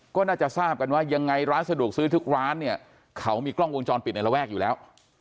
ก็น่าจะทราบกันว่ายังไงร้านสะดวกซื้อทุกร้านเนี่ยเขามีกล้องวงจรปิดในระแวกอยู่แล้ว